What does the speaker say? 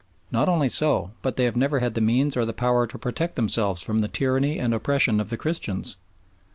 Not only so, but they have never had the means or the power to protect themselves from the tyranny and oppression of the Christians.